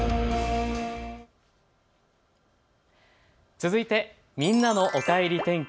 続いてみんなのおかえり天気。